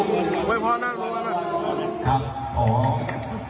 แฮปปี้เบิร์สเจทูยู